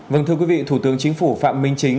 vâng thưa quý vị thủ tướng chính phủ phạm minh chính